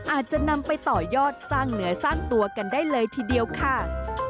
อาจจะนำไปต่อยอดสร้างเนื้อสร้างตัวกันได้เลยทีเดียวค่ะ